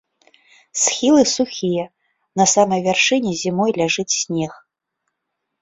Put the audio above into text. Схілы сухія, на самай вяршыні зімой ляжыць снег.